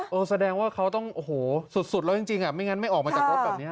แสดงว่าเขาต้องโอ้โหสุดแล้วจริงไม่งั้นไม่ออกมาจากรถแบบนี้